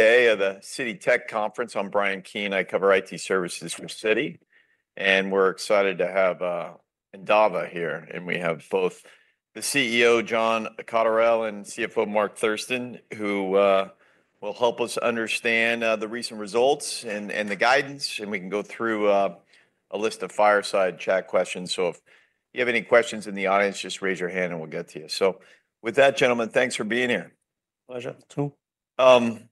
Today at the Citi Tech Conference, I'm Brian Keene. I cover IT services for Citi, and we're excited to have Endava here. We have both the CEO, John Cotterell, and CFO, Mark Thurston, who will help us understand the recent results and the guidance. We can go through a list of fireside chat questions. If you have any questions in the audience, just raise your hand and we'll get to you. Gentlemen, thanks for being here. Pleasure. Thank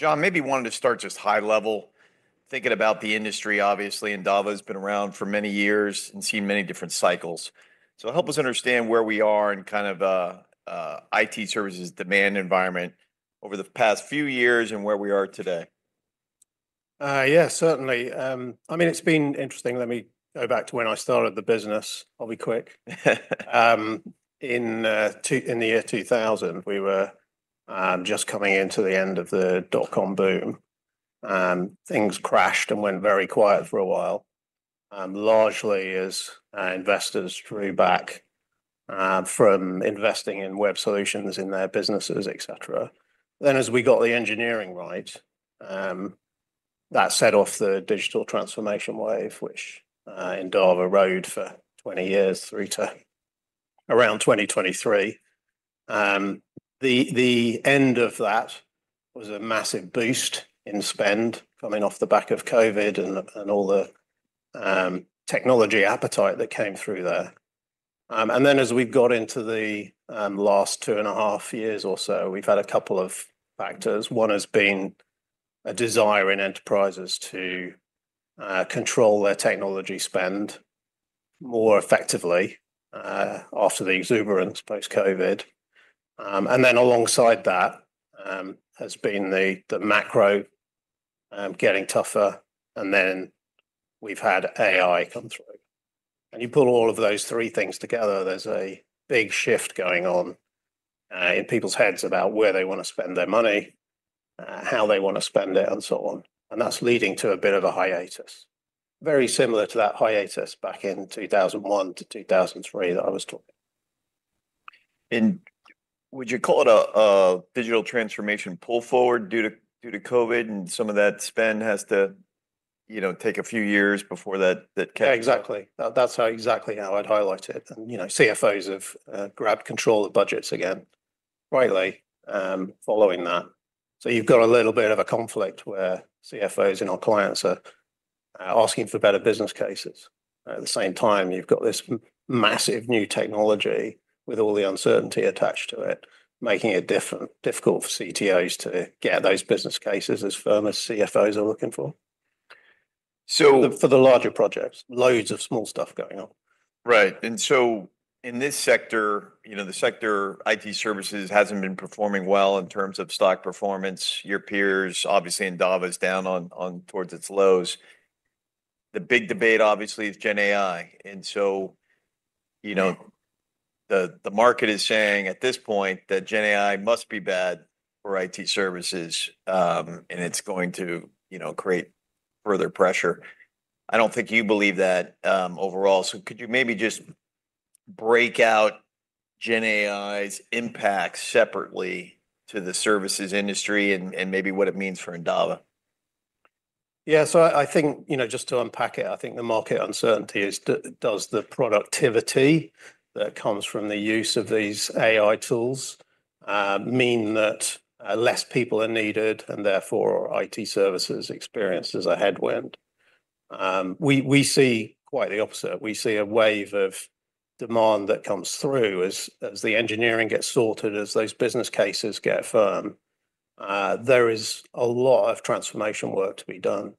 you. John, maybe you wanted to start just high level, thinking about the industry. Obviously, Endava has been around for many years and seen many different cycles. Help us understand where we are in kind of an IT services demand environment over the past few years and where we are today. Yeah, certainly. I mean, it's been interesting. Let me go back to when I started the business. I'll be quick. In the year 2000, we were just coming into the end of the dot-com boom, and things crashed and went very quiet for a while, largely as investors drew back from investing in web solutions in their businesses, et cetera. Then as we got the engineering right, that set off the digital transformation wave, which Endava rode for 20 years through to around 2023. The end of that was a massive boost in spend coming off the back of COVID and all the technology appetite that came through there. As we've got into the last two and a half years or so, we've had a couple of factors. One has been a desire in enterprises to control their technology spend more effectively after the exuberance post-COVID. Alongside that has been the macro getting tougher. We've had AI come through. You pull all of those three things together, there's a big shift going on in people's heads about where they want to spend their money, how they want to spend it, and so on. That's leading to a bit of a hiatus, very similar to that hiatus back in 2001 - 2003 that I was talking about. Would you call it a digital transformation pull-forward due to COVID and some of that spend has to take a few years before that? Exactly. That's exactly how I'd highlight it. CFOs have grabbed control of budgets again greatly following that. You've got a little bit of a conflict where CFOs and our clients are asking for better business cases. At the same time, you've got this massive new technology with all the uncertainty attached to it, making it difficult for CTOs to get those business cases as firm as CFOs are looking for. So. For the larger projects, loads of small stuff going on. Right. In this sector, you know, the sector IT services hasn't been performing well in terms of stock performance. Your peers, obviously, Endava is down towards its lows. The big debate, obviously, is Gen AI. The market is saying at this point that Gen AI must be bad for IT services, and it's going to create further pressure. I don't think you believe that overall. Could you maybe just break out Gen AI's impact separately to the services industry and maybe what it means for Endava? Yeah, I think, just to unpack it, the market uncertainty is, does the productivity that comes from the use of these AI tools mean that fewer people are needed and therefore IT services experiences a headwind? We see quite the opposite. We see a wave of demand that comes through as the engineering gets sorted, as those business cases get firm. There is a lot of transformation work to be done,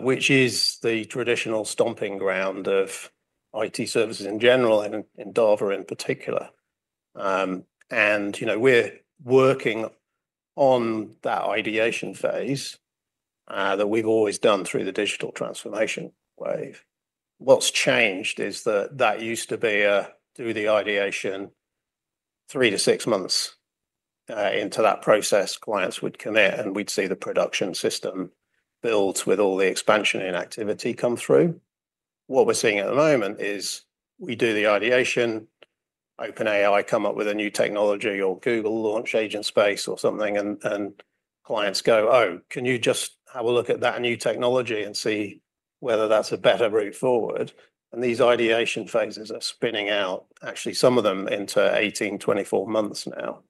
which is the traditional stomping ground of IT services in general and Endava in particular. We're working on that ideation phase that we've always done through the digital transformation wave. What's changed is that used to be a do the ideation three to six months into that process. Clients would commit and we'd see the production system built with all the expansion in activity come through. What we're seeing at the moment is we do the ideation, OpenAI comes up with a new technology or Google launches Agentic AI or something, and clients go, oh, can you just have a look at that new technology and see whether that's a better route forward? These ideation phases are spinning out, actually some of them into 18, 24 months now.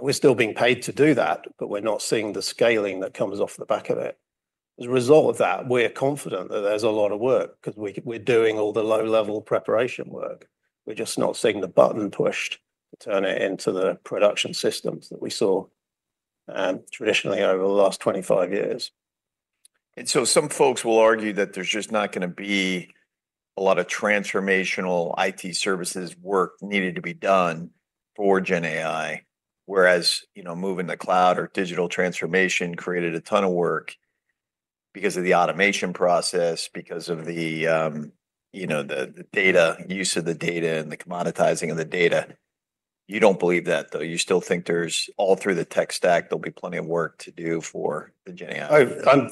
We're still being paid to do that, but we're not seeing the scaling that comes off the back of it. As a result of that, we're confident that there's a lot of work because we're doing all the low-level preparation work. We're just not seeing the button pushed to turn it into the production systems that we saw traditionally over the last 25 years. Some folks will argue that there's just not going to be a lot of transformational IT services work needed to be done for Gen AI, whereas, you know, moving to the cloud or digital transformation created a ton of work because of the automation process, because of the data, use of the data, and the commoditizing of the data. You don't believe that though. You still think there's all through the tech stack, there'll be plenty of work to do for the Gen AI.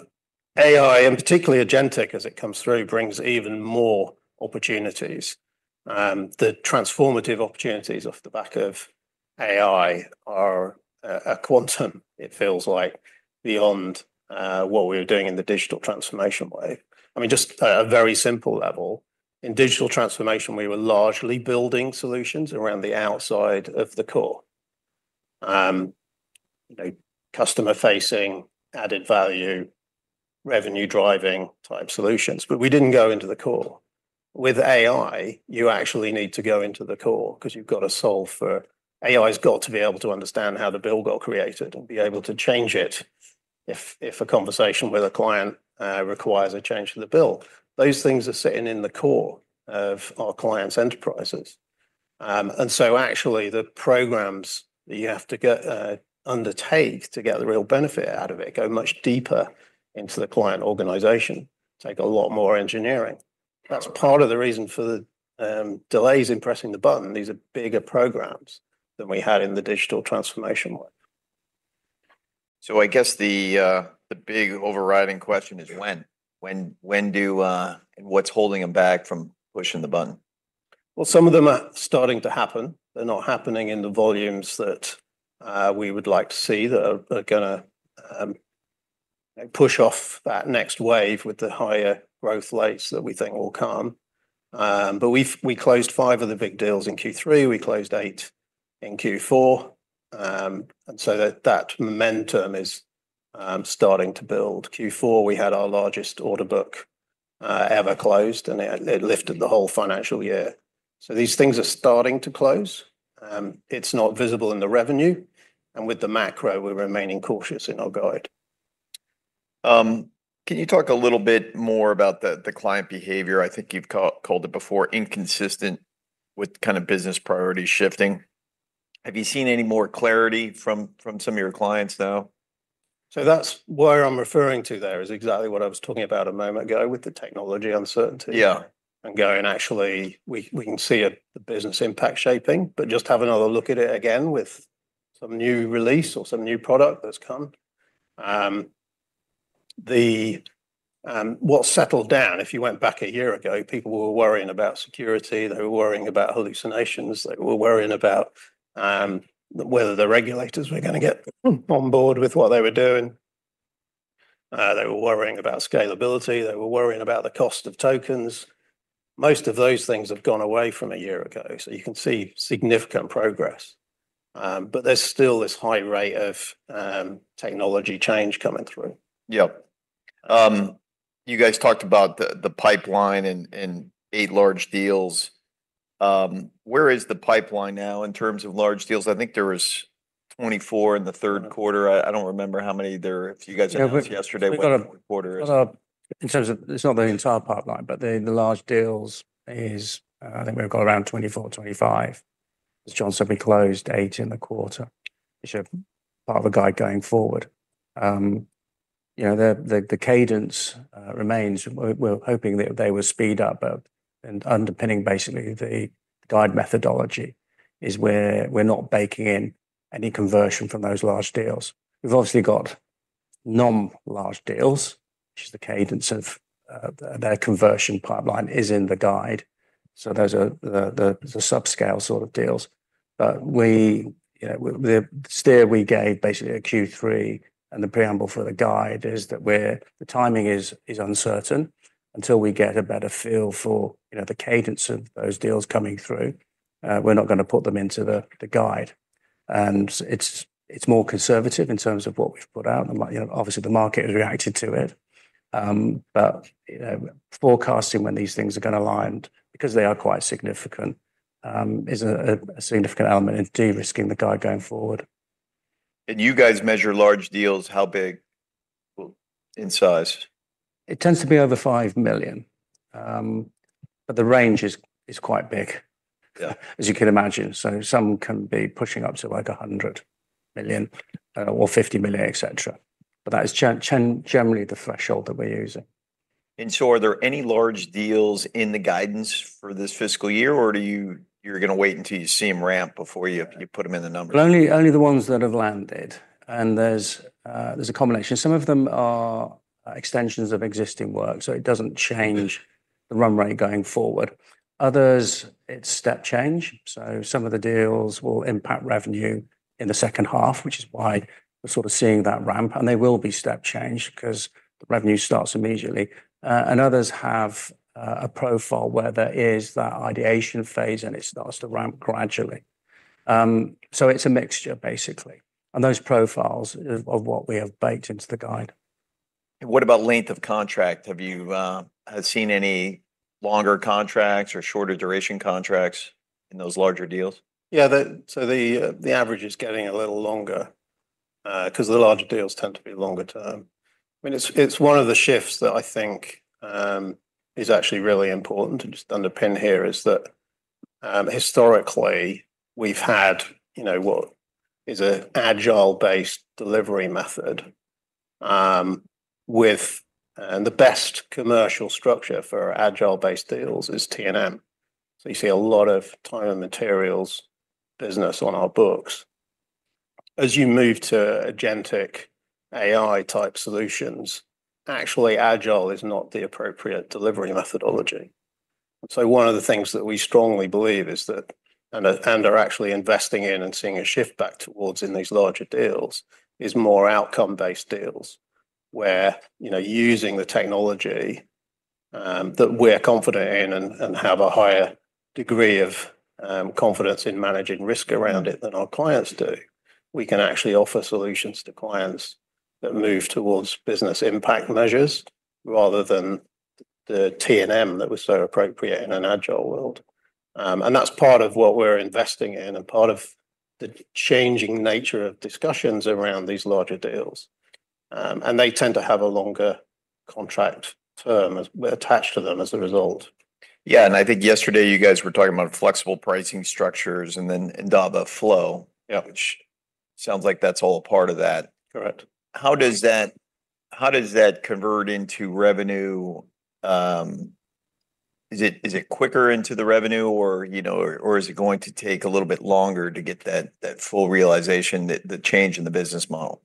AI, and particularly Agentic AI, as it comes through, brings even more opportunities. The transformative opportunities off the back of AI are a quantum, it feels like, beyond what we were doing in the digital transformation wave. I mean, just at a very simple level, in digital transformation, we were largely building solutions around the outside of the core. Customer-facing, added value, revenue-driving type solutions, but we didn't go into the core. With AI, you actually need to go into the core because you've got to solve for, AI's got to be able to understand how the bill got created and be able to change it if a conversation with a client requires a change to the bill. Those things are sitting in the core of our clients' enterprises. Actually, the programs that you have to undertake to get the real benefit out of it go much deeper into the client organization, take a lot more engineering. That's part of the reason for the delays in pressing the button. These are bigger programs than we had in the digital transformation wave. I guess the big overriding question is when, when do, and what's holding them back from pushing the button? Some of them are starting to happen. They're not happening in the volumes that we would like to see that are going to push off that next wave with the higher growth rates that we think will come. We closed five of the big deals in Q3. We closed eight in Q4, and that momentum is starting to build. Q4, we had our largest order book ever closed, and it lifted the whole financial year. These things are starting to close. It's not visible in the revenue, and with the macro, we're remaining cautious in our guide. Can you talk a little bit more about the client behavior? I think you've called it before inconsistent, with kind of business priorities shifting. Have you seen any more clarity from some of your clients now? That's where I'm referring to. There is exactly what I was talking about a moment ago with the technology uncertainty. Yeah. Going, actually, we can see a business impact shaping, but just have another look at it again with some new release or some new product that's come. What settled down, if you went back a year ago, people were worrying about security. They were worrying about hallucinations. They were worrying about whether the regulators were going to get on board with what they were doing. They were worrying about scalability. They were worrying about the cost of tokens. Most of those things have gone away from a year ago. You can see significant progress. There's still this high rate of technology change coming through. Yeah. You guys talked about the pipeline and eight large deals. Where is the pipeline now in terms of large deals? I think there was 24 in the third quarter. I don't remember how many there, if you guys are with yesterday, what the fourth quarter is. In terms of, it's not the entire pipeline, but the large deals is, I think we've got around 24, 25. As John said, we closed eight in the quarter, which is part of the guide going forward. The cadence remains. We're hoping that they will speed up, but underpinning basically the guide methodology is where we're not baking in any conversion from those large deals. We've obviously got non-large deals, which is the cadence of their conversion pipeline is in the guide. Those are the subscale sort of deals. The steer we gave basically at Q3 and the preamble for the guide is that the timing is uncertain until we get a better feel for the cadence of those deals coming through. We're not going to put them into the guide. It's more conservative in terms of what we've put out. Obviously, the market has reacted to it. Forecasting when these things are going to land, because they are quite significant, is a significant element in de-risking the guide going forward. You guys measure large deals, how big in size? It tends to be over $5 million. The range is quite big, as you can imagine. Some can be pushing up to $100 million or $50 million, et cetera. That is generally the threshold that we're using. Are there any large deals in the guidance for this fiscal year, or do you wait until you see them ramp before you put them in the numbers? Only the ones that have landed. There's a combination. Some of them are extensions of existing work, so it doesn't change the run rate going forward. Others, it's step change. Some of the deals will impact revenue in the second half, which is why we're sort of seeing that ramp. They will be step change because the revenue starts immediately. Others have a profile where there is that ideation phase, and it starts to ramp gradually. It's a mixture, basically, and those profiles are what we have baked into the guide. What about length of contract? Have you seen any longer contracts or shorter duration contracts in those larger deals? Yeah, so the average is getting a little longer because the larger deals tend to be longer term. I mean, it's one of the shifts that I think is actually really important to just underpin here is that historically, we've had, you know, what is an agile-based delivery method with the best commercial structure for agile-based deals is T&M. You see a lot of time-and-materials business on our books. As you move to Agentic AI type solutions, actually agile is not the appropriate delivery methodology. One of the things that we strongly believe is that, and are actually investing in and seeing a shift back towards in these larger deals, is more outcome-based deals where, you know, using the technology that we're confident in and have a higher degree of confidence in managing risk around it than our clients do, we can actually offer solutions to clients that move towards business impact measures rather than the T&M that was so appropriate in an agile world. That's part of what we're investing in and part of the changing nature of discussions around these larger deals. They tend to have a longer contract firm attached to them as a result. Yeah, I think yesterday you guys were talking about flexible pricing structures and then Endava Flow, which sounds like that's all a part of that. Correct. How does that convert into revenue? Is it quicker into the revenue, or is it going to take a little bit longer to get that full realization, the change in the business model?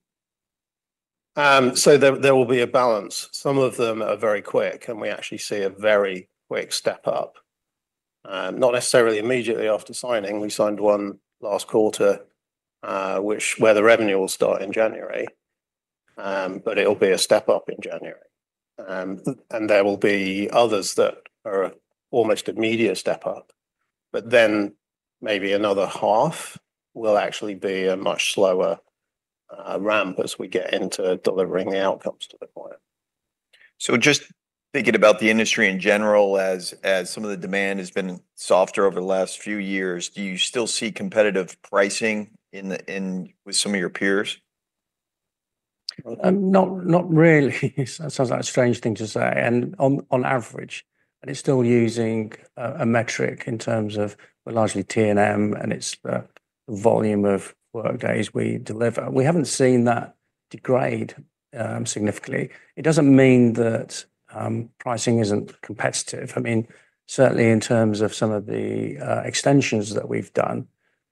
There will be a balance. Some of them are very quick, and we actually see a very quick step up, not necessarily immediately after signing. We signed one last quarter where the revenue will start in January, but it'll be a step up in January. There will be others that are almost an immediate step up, but then maybe another half will actually be a much slower ramp as we get into delivering the outcomes to the client. Just thinking about the industry in general, as some of the demand has been softer over the last few years, do you still see competitive pricing with some of your peers? Not really. It sounds like a strange thing to say. On average, and it's still using a metric in terms of we're largely T&M and it's the volume of work days we deliver. We haven't seen that degrade significantly. It doesn't mean that pricing isn't competitive. Certainly, in terms of some of the extensions that we've done,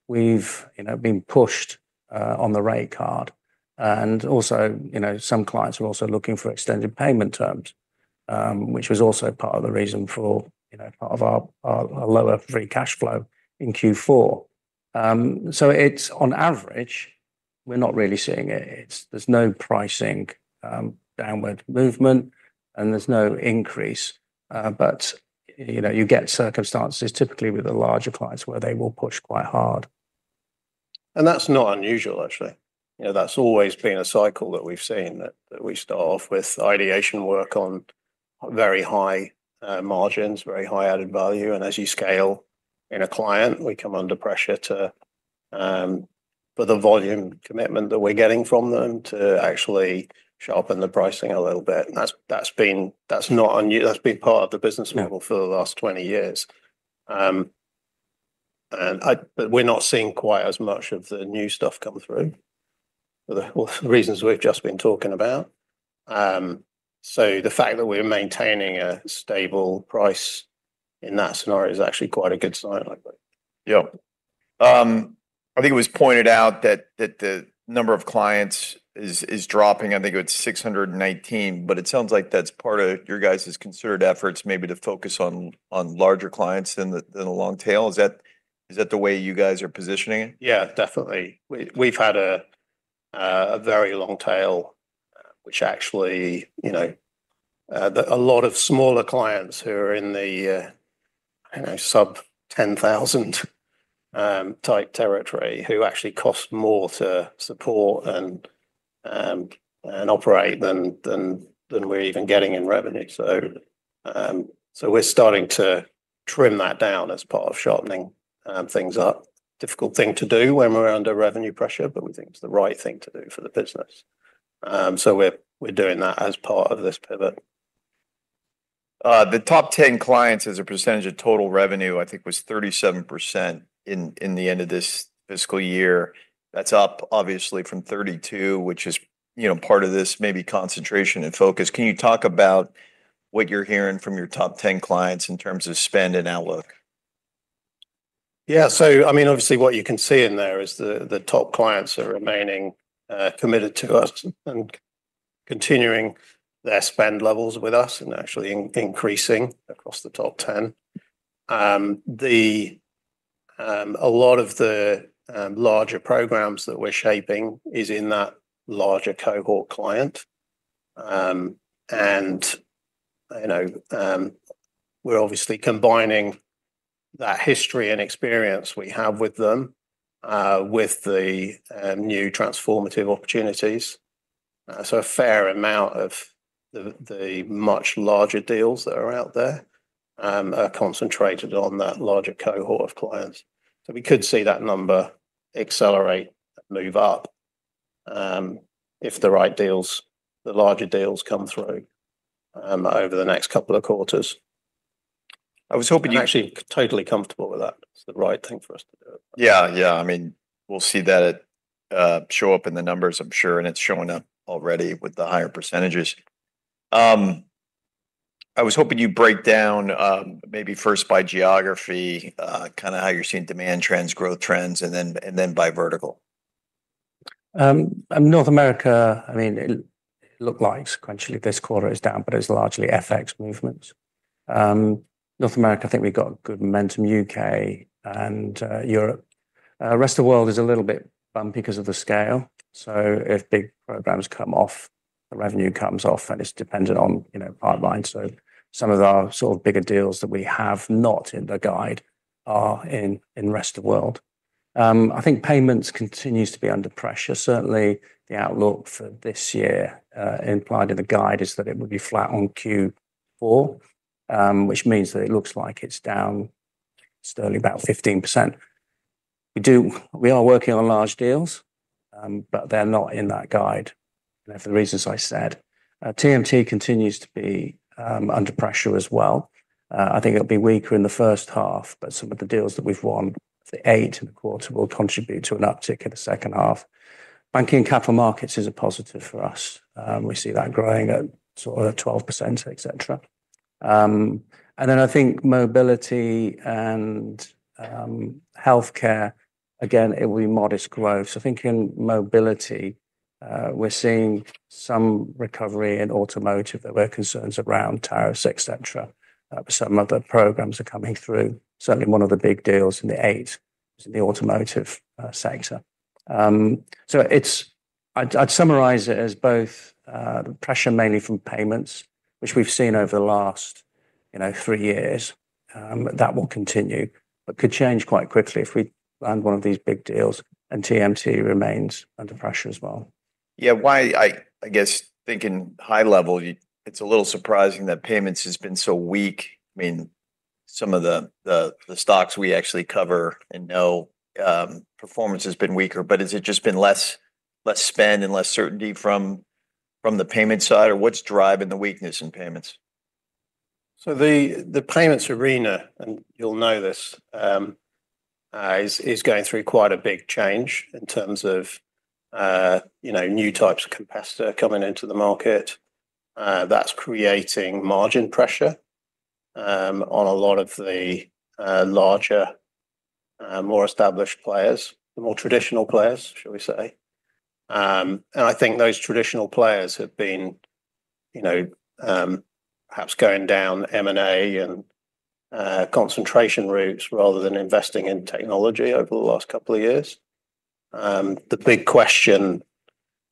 we've been pushed on the rate card. Also, some clients are looking for extended payment terms, which was also part of the reason for part of our lower free cash flow in Q4. On average, we're not really seeing it. There's no pricing downward movement and there's no increase. You get circumstances typically with the larger clients where they will push quite hard. That's not unusual, actually. That's always been a cycle that we've seen, that we start off with ideation work on very high margins, very high added value. As you scale in a client, we come under pressure for the volume commitment that we're getting from them to actually sharpen the pricing a little bit. That's not unusual. That's been part of the business model for the last 20 years. We're not seeing quite as much of the new stuff come through for the reasons we've just been talking about. The fact that we're maintaining a stable price in that scenario is actually quite a good sign, I think. Yeah, I think it was pointed out that the number of clients is dropping. I think it was 619, but it sounds like that's part of your guys' concerted efforts maybe to focus on larger clients than the long tail. Is that the way you guys are positioning it? Yeah, definitely. We've had a very long tail, which actually, you know, a lot of smaller clients who are in the, you know, sub-$10,000 type territory who actually cost more to support and operate than we're even getting in revenue. We're starting to trim that down as part of sharpening things up. It's a difficult thing to do when we're under revenue pressure, but we think it's the right thing to do for the business. We're doing that as part of this pivot. The top 10 clients as a % of total revenue, I think was 37% in the end of this fiscal year. That's up obviously from 32%, which is, you know, part of this maybe concentration and focus. Can you talk about what you're hearing from your top 10 clients in terms of spend and outlook? Yeah, so what you can see in there is the top clients are remaining committed to us and continuing their spend levels with us and actually increasing across the top 10. A lot of the larger programs that we're shaping are in that larger cohort client. We're obviously combining that history and experience we have with them with the new transformative opportunities. A fair amount of the much larger deals that are out there are concentrated on that larger cohort of clients. We could see that number accelerate, move up if the right deals, the larger deals come through over the next couple of quarters. I was hoping you actually are totally comfortable with that. It's the right thing for us to do. Yeah, yeah. I mean, we'll see that show up in the numbers, I'm sure, and it's showing up already with the higher %. I was hoping you'd break down maybe first by geography, kind of how you're seeing demand trends, growth trends, and then by vertical. North America, I mean, it looked like sequentially this quarter is down, but it's largely FX movements. North America, I think we've got good momentum. UK and Europe. The rest of the world is a little bit bumpy because of the scale. If big programs come off, the revenue comes off, and it's dependent on, you know, pipelines. Some of our sort of bigger deals that we have not in the guide are in the rest of the world. I think payments continue to be under pressure. Certainly, the outlook for this year implied in the guide is that it would be flat on Q4, which means that it looks like it's down still only about 15%. We are working on large deals, but they're not in that guide. For the reasons I said, TMT continues to be under pressure as well. I think it'll be weaker in the first half, but some of the deals that we've won, the eight and a quarter, will contribute to an uptick in the second half. Banking capital markets is a positive for us. We see that growing at sort of 12%, et cetera. I think mobility and healthcare, again, it will be modest growth. Thinking in mobility, we're seeing some recovery in automotive, but there are concerns around tariffs, et cetera. Some of the programs are coming through. Certainly, one of the big deals in the eight is in the automotive sector. I'd summarize it as both pressure mainly from payments, which we've seen over the last, you know, three years. That will continue. It could change quite quickly if we land one of these big deals and TMT remains under pressure as well. Yeah, I guess thinking high level, it's a little surprising that payments have been so weak. I mean, some of the stocks we actually cover and know performance has been weaker, but has it just been less spend and less certainty from the payments side? What's driving the weakness in payments? The payments arena, and you'll know this, is going through quite a big change in terms of new types of competitor coming into the market. That's creating margin pressure on a lot of the larger, more established players, the more traditional players, shall we say? I think those traditional players have been perhaps going down M&A and concentration routes rather than investing in technology over the last couple of years. The big question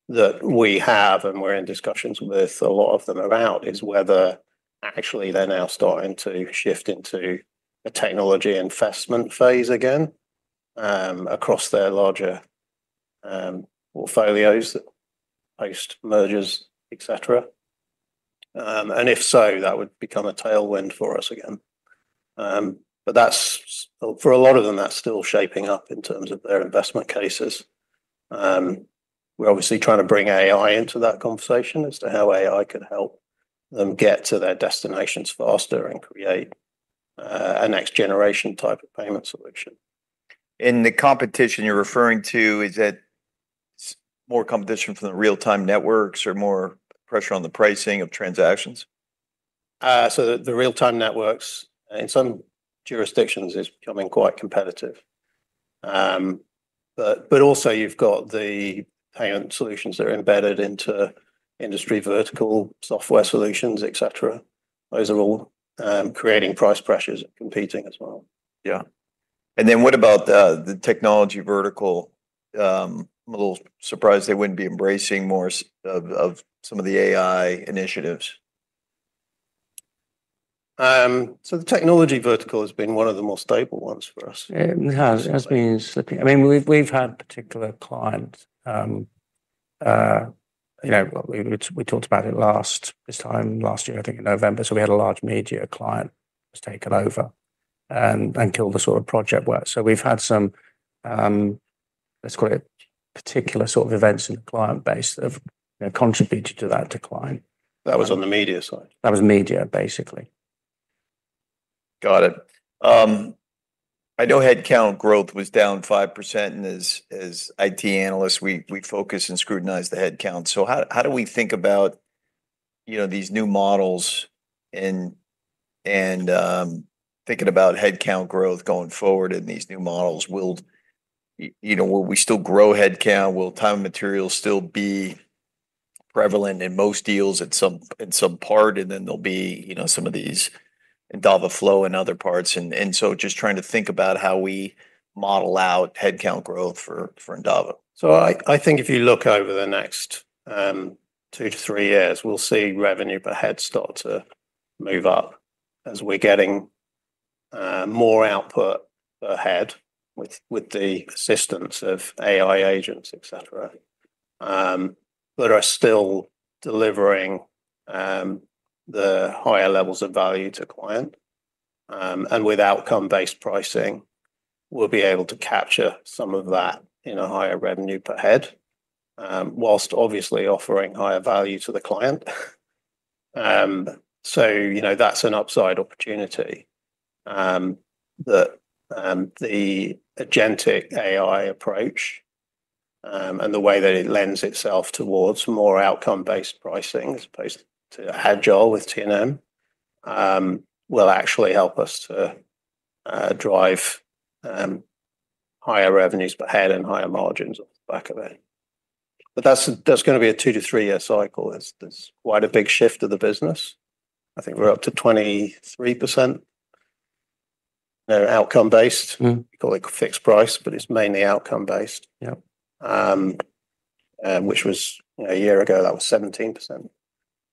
that we have, and we're in discussions with a lot of them about, is whether actually they're now starting to shift into a technology investment phase again across their larger portfolios, post mergers, et cetera. If so, that would become a tailwind for us again. For a lot of them, that's still shaping up in terms of their investment cases. We're obviously trying to bring AI into that conversation as to how AI could help them get to their destinations faster and create a next generation type of payment solution. In the competition you're referring to, is it more competition from the real-time networks or more pressure on the pricing of transactions? The real-time networks in some jurisdictions are becoming quite competitive. You have the payment solutions that are embedded into industry vertical software solutions, et cetera. Those are all creating price pressures and competing as well. Yeah. What about the technology vertical? I'm a little surprised they wouldn't be embracing more of some of the AI initiatives. The technology vertical has been one of the more stable ones for us. It has been. We've had particular clients, you know, we talked about it this time last year, I think in November. We had a large media client that was taken over and killed the sort of project work. We've had some, let's call it particular sort of events in the client base that have contributed to that decline. That was on the media side? That was media, basically. Got it. I know headcount growth was down 5%, and as IT analysts, we focus and scrutinize the headcount. How do we think about these new models and thinking about headcount growth going forward in these new models? Will we still grow headcount? Will time-and-materials still be prevalent in most deals at some part? There'll be some of these Endava flow and other parts. Just trying to think about how we model out headcount growth for Endava. I think if you look over the next two to three years, we'll see revenue per head start to move up as we're getting more output per head with the assistance of AI agents, et cetera, that are still delivering the higher levels of value to clients. With outcome-based pricing, we'll be able to capture some of that in a higher revenue per head whilst obviously offering higher value to the client. That's an upside opportunity that the Agentic AI approach and the way that it lends itself towards more outcome-based pricing as opposed to agile with T&M will actually help us to drive higher revenues per head and higher margins on the back of it. That is going to be a two to three-year cycle. There's quite a big shift to the business. I think we're up to 23% outcome-based, probably fixed price, but it's mainly outcome-based, which a year ago was 17%.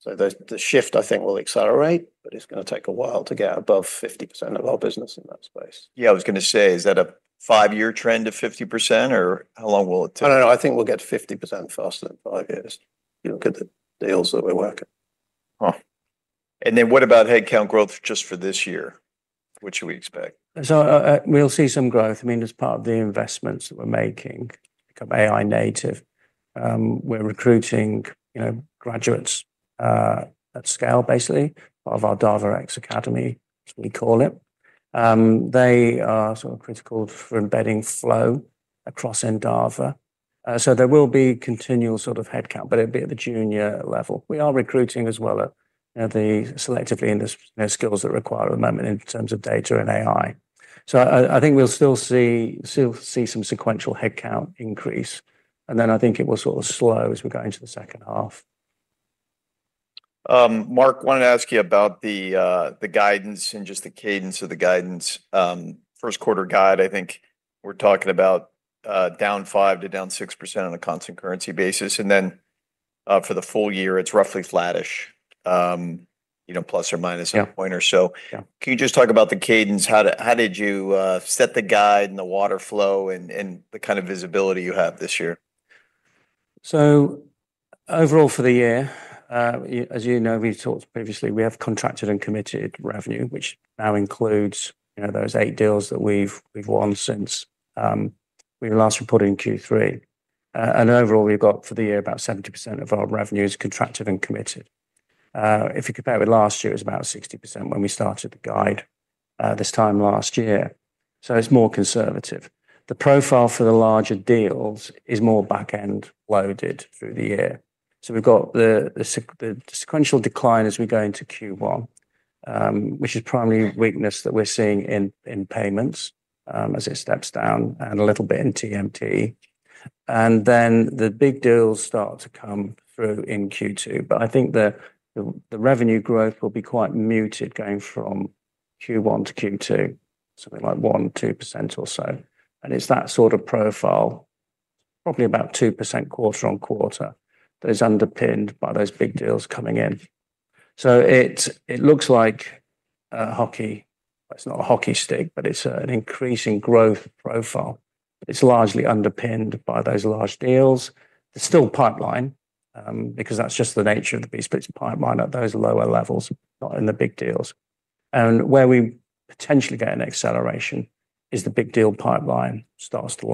The shift, I think, will accelerate, but it's going to take a while to get above 50% of our business in that space. Yeah, I was going to say, is that a five-year trend of 50% or how long will it take? I think we'll get 50% faster than five years if you look at the deals that we're working on. What about headcount growth just for this year? What should we expect? We will see some growth. As part of the investments that we're making to become AI native, we're recruiting graduates at scale, basically as part of our DavaX Academy, as we call it. They are critical for embedding flow across Endava. There will be continual headcount, but it'll be at the junior level. We are recruiting as well selectively in the skills that are required at the moment in terms of data and AI. I think we'll still see some sequential headcount increase, and then I think it will slow as we're going into the second half. Mark, I wanted to ask you about the guidance and just the cadence of the guidance. First quarter guide, I think we're talking about down 5% to down 6% on a constant currency basis. For the full year, it's roughly flattish, you know, plus or minus a point or so. Can you just talk about the cadence? How did you set the guide and the water flow and the kind of visibility you have this year? Overall for the year, as you know, we've talked previously, we have contracted and committed revenue, which now includes those eight deals that we've won since we last reported in Q3. Overall, we've got for the year about 70% of our revenues contracted and committed. If you compare it with last year, it was about 60% when we started the guidance this time last year. It's more conservative. The profile for the larger deals is more backend loaded through the year. We've got the sequential decline as we go into Q1, which is primarily a weakness that we're seeing in payments as it steps down and a little bit in TMT. The big deals start to come through in Q2. I think the revenue growth will be quite muted going from Q1 to Q2, something like 1%, 2% or so. It's that sort of profile, probably about 2% quarter on quarter, that is underpinned by those big deals coming in. It looks like a hockey, it's not a hockey stick, but it's an increasing growth profile. It's largely underpinned by those large deals. It's still pipeline because that's just the nature of the beast. It's pipeline at those lower levels, not in the big deals. Where we potentially get an acceleration is the big deal pipeline starts to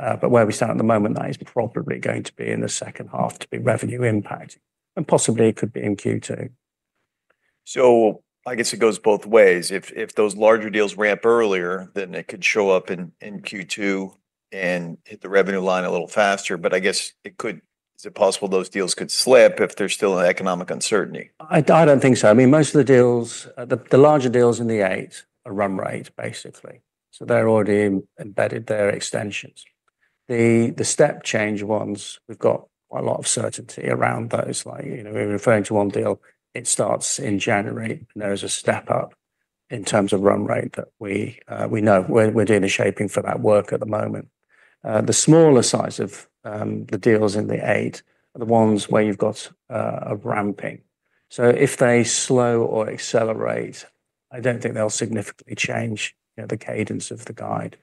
land. Where we stand at the moment, that is probably going to be in the second half to be revenue impact. Possibly it could be in Q2. I guess it goes both ways. If those larger deals ramp earlier, then it could show up in Q2 and hit the revenue line a little faster. I guess it could, is it possible those deals could slip if there's still economic uncertainty? I don't think so. I mean, most of the deals, the larger deals in the eight are run rate, basically. They're already embedded, they're extensions. The step change ones, we've got quite a lot of certainty around those. Like, you know, we're referring to one deal, it starts in January, and there is a step up in terms of run rate that we know. We're doing the shaping for that work at the moment. The smaller size of the deals in the eight are the ones where you've got a ramping. If they slow or accelerate, I don't think they'll significantly change the cadence of the guide.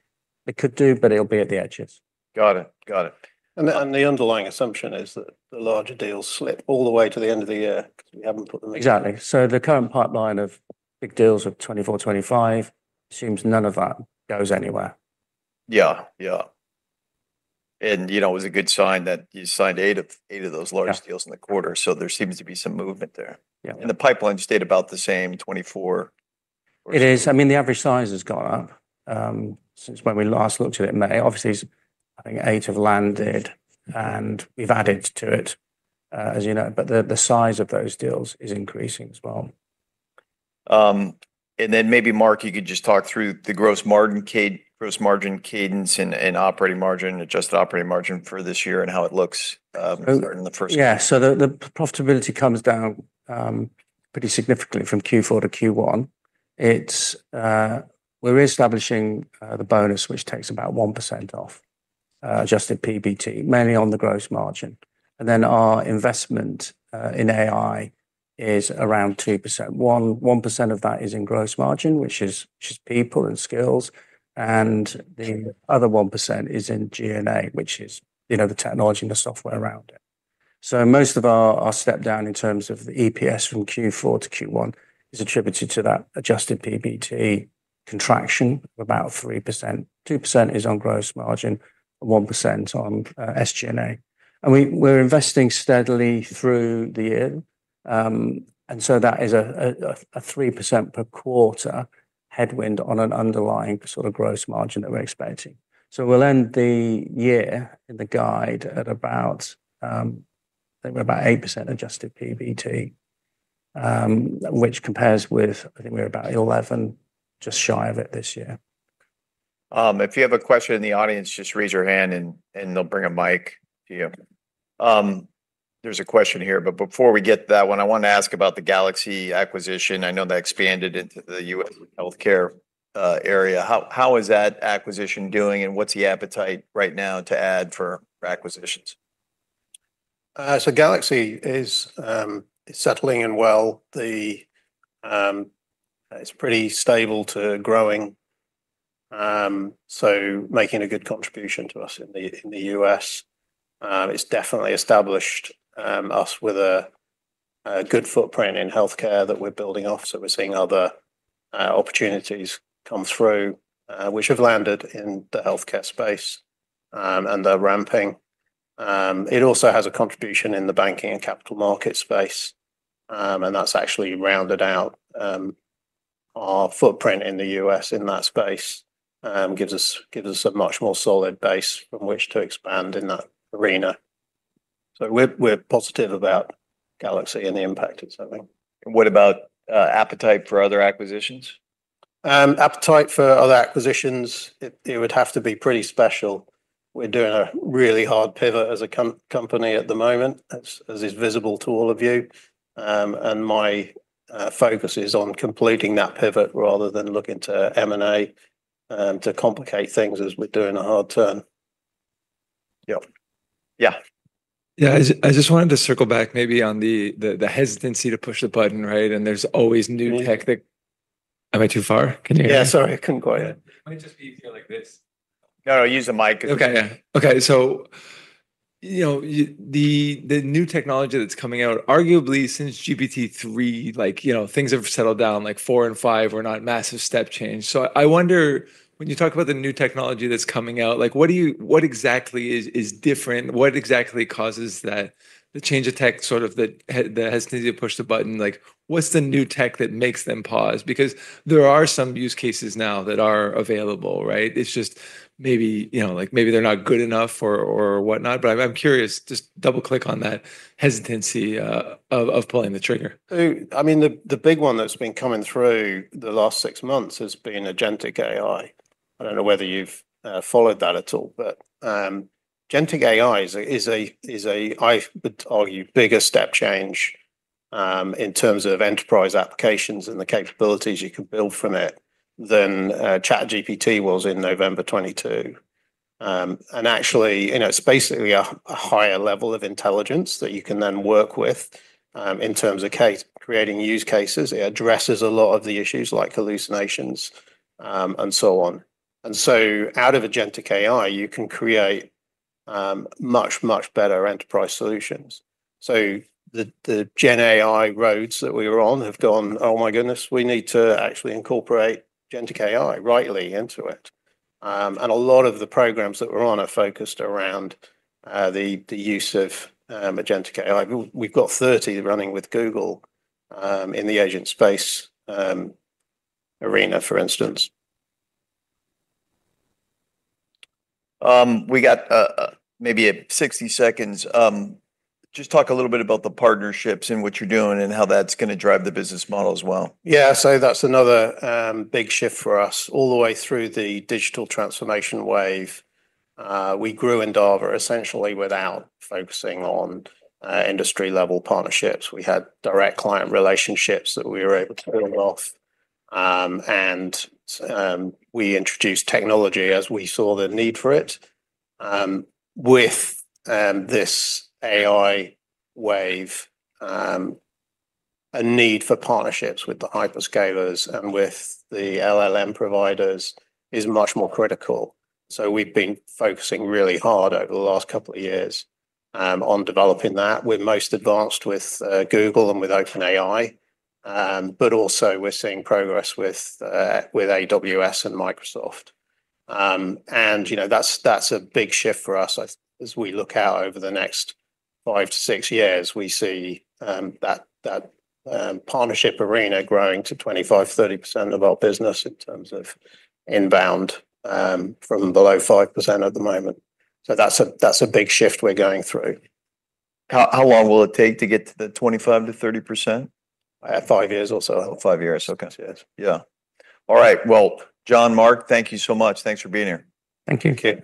They could do, but it'll be at the edges. Got it. Got it. The underlying assumption is that the larger deals slip all the way to the end of the year. We haven't put them in. Exactly. The current pipeline of big deals of 2024, 2025 seems none of that goes anywhere. Yeah, it was a good sign that you signed eight of those large deals in the quarter. There seems to be some movement there, and the pipeline stayed about the same, 24. It is. I mean, the average size has gone up since when we last looked at it in May. Obviously, I think eight have landed and we've added to it, as you know, but the size of those deals is increasing as well. Mark, you could just talk through the gross margin cadence and operating margin, adjusted operating margin for this year and how it looks in the first quarter. Yeah. The profitability comes down pretty significantly from Q4 to Q1. We're reestablishing the bonus, which takes about 1% off adjusted PBT, mainly on the gross margin. Our investment in AI is around 2%. 1% of that is in gross margin, which is people and skills. The other 1% is in G&A, which is, you know, the technology and the software around it. Most of our step down in terms of the EPS from Q4 to Q1 is attributed to that adjusted PBT contraction of about 3%. 2% is on gross margin and 1% on SG&A. We're investing steadily through the year, and that is a 3% per quarter headwind on an underlying sort of gross margin that we're expecting. We'll end the year in the guide at about, I think we're about 8% adjusted PBT, which compares with, I think we're about 11%, just shy of it this year. If you have a question in the audience, just raise your hand and they'll bring a mic to you. There's a question here, but before we get to that one, I wanted to ask about the Galaxy acquisition. I know they expanded into the US healthcare area. How is that acquisition doing and what's the appetite right now to add for acquisitions? Galaxy is settling in well. It's pretty stable to growing, making a good contribution to us in the US. It's definitely established us with a good footprint in healthcare that we're building off. We're seeing other opportunities come through, which have landed in the healthcare space and are ramping. It also has a contribution in the banking and capital markets space, and that's actually rounded out our footprint in the US in that space. It gives us a much more solid base from which to expand in that arena. We're positive about Galaxy and the impact it's having. What about appetite for other acquisitions? Appetite for other acquisitions, it would have to be pretty special. We're doing a really hard pivot as a company at the moment, as is visible to all of you. My focus is on completing that pivot rather than looking to M&A to complicate things as we're doing a hard turn. Yeah. I just wanted to circle back maybe on the hesitancy to push the button, right? There's always new tech. I went too far. Yeah, sorry. I couldn't quite. Might just be easier like this. No, no, use the mic. Okay. Okay. The new technology that's coming out, arguably since GPT-3, things have settled down, like four and five were not massive step change. I wonder, when you talk about the new technology that's coming out, what do you, what exactly is different? What exactly causes the change of tech, sort of the hesitancy to push the button? What's the new tech that makes them pause? There are some use cases now that are available, right? It's just maybe they're not good enough or whatnot. I'm curious, just double click on that hesitancy of pulling the trigger. The big one that's been coming through the last six months has been Agentic AI. I don't know whether you've followed that at all, but agentic AI is, I would argue, bigger step change in terms of enterprise applications and the capabilities you can build from it than ChatGPT was in November 2022. Actually, it's basically a higher level of intelligence that you can then work with in terms of creating use cases. It addresses a lot of the issues like hallucinations and so on. Out of Agentic AI, you can create much, much better enterprise solutions. The Gen AI roads that we were on have gone, oh my goodness, we need to actually incorporate Agentic AI rightly into it. A lot of the programs that we're on are focused around the use of Agentic AI. We've got 30 running with Google in the agent space arena, for instance. We got maybe 60 seconds. Just talk a little bit about the partnerships and what you're doing and how that's going to drive the business model as well. Yeah, so that's another big shift for us. All the way through the digital transformation wave, we grew Endava essentially without focusing on industry-level partnerships. We had direct client relationships that we were able to build off, and we introduced technology as we saw the need for it. With this AI wave, a need for partnerships with the hyperscalers and with the LLM providers is much more critical. We've been focusing really hard over the last couple of years on developing that. We're most advanced with Google and with OpenAI, but also we're seeing progress with AWS and Microsoft. You know, that's a big shift for us. As we look out over the next five to six years, we see that partnership arena growing to 25%, 30% of our business in terms of inbound from below 5% at the moment. That's a big shift we're going through. How long will it take to get to the 25% - 30%? Five years or so. Five years, okay. Yeah. All right. John, Mark, thank you so much. Thanks for being here. Thank you. Thank you.